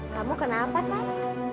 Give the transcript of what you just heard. kamu kenapa sat